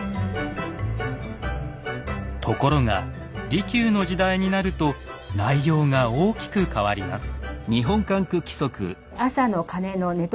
ところが利休の時代になると内容が大きく変わります。